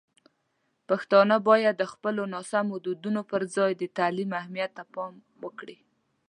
پښتانه باید د خپلو ناسمو دودونو پر ځای د تعلیم اهمیت ته پام وکړي.